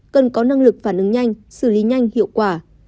cần có năng lực phản ứng nhanh xử lý nhanh hiệu quả